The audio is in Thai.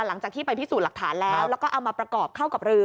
หลังจากที่ไปพิสูจน์หลักฐานแล้วแล้วก็เอามาประกอบเข้ากับเรือ